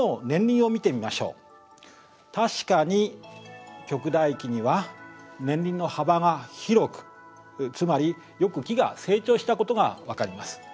確かに極大期には年輪の幅が広くつまりよく木が成長したことが分かります。